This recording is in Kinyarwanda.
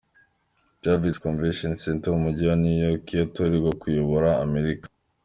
Javits Convention Center mu Mujyi wa New York, iyo atorerwa kuyobora Amerika.